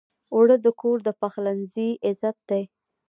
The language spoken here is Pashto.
اوړه د کور د پخلنځي عزت دی